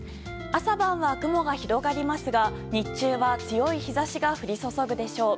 朝晩は雲が広がりますが日中は強い日差しが降り注ぐでしょう。